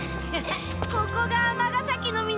ここが尼崎の港。